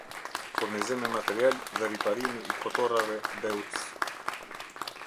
Furnizim me material dhe riparimi i kotorrave Deutz